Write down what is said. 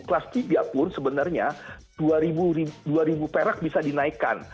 kelas tiga pun sebenarnya dua ribu perak bisa dinaikkan